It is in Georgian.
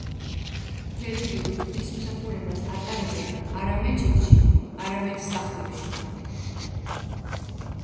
რელიგიურ ღვთისმსახურებას ატარებენ არა მეჩეთებში, არამედ სახლებში.